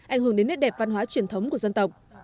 ảnh hưởng đến nét đẹp văn hóa truyền thống của dân tộc